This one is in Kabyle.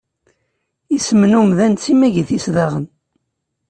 Isem n umdan d timagit-is daɣen.